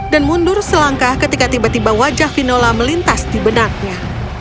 dan mundur selangkah ketika tiba tiba wajah vinola melintas di benaknya